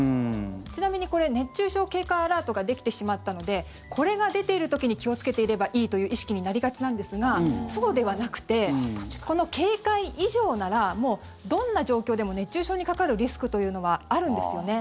ちなみに熱中症警戒アラートができてしまったのでこれが出ている時に気をつけていればいいという意識になりがちなんですがそうではなくてこの警戒以上ならもうどんな状況でも熱中症にかかるリスクというのはあるんですよね。